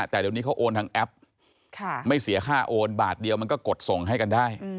แต่เดี๋ยวนี้เขาโอนทางแอปไม่เสียค่าโอนบาทเดียวมันก็กดส่งให้กันได้